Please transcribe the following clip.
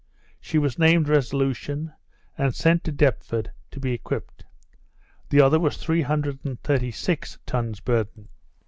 She was named Resolution, and sent to Deptford to be equipped. The other was three hundred and thirty six tons burden.